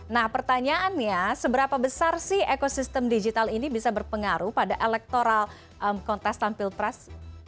nah pertanyaannya seberapa besar sih ekosistem digital ini bisa berpengaruh pada elektoral kontestan pilpres